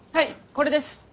これです。